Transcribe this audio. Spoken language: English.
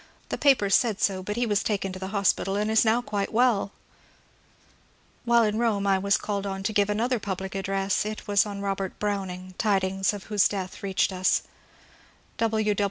The papers said so, but he was taken to the hospital and is now quite well !" While in Bome I was called on to give another public ad dress ; it was on Bobert Browning, tidings of whose death reached us.